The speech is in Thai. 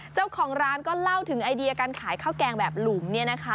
เจ้าของร้านก็เล่าถึงไอเดียการขายข้าวแกงแบบหลุมเนี่ยนะคะ